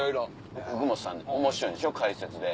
福本さん面白いんでしょ解説で。